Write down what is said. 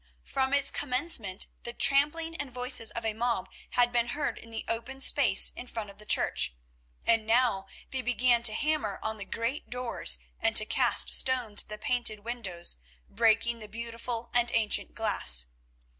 From its commencement the trampling and voices of a mob had been heard in the open space in front of the church, and now they began to hammer on the great doors and to cast stones at the painted windows, breaking the beautiful and ancient glass.